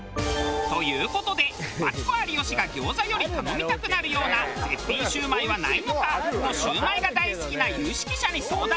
という事でマツコ有吉が餃子より頼みたくなるような絶品シュウマイはないのか？とシュウマイが大好きな有識者に相談。